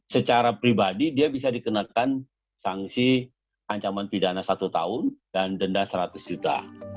secara pribadi dia bisa dikenakan sanksi ancaman pidana satu tahun dan denda seratus juta